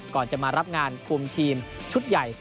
ก่อนจะมารับงานคุมทีมชุดใหญ่